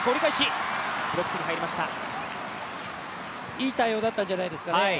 いい対応だったんじゃないですかね。